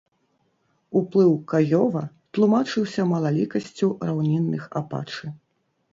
Уплыў каёва тлумачыўся малалікасцю раўнінных апачы.